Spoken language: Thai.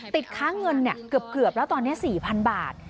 ติดค้าเงินเกือบแล้วตอนนี้๔๐๐๐บาท